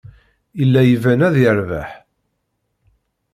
Yella iban ad yerbeḥ.